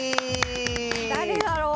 誰だろう？